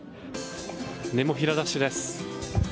ネモフィラダッシュです。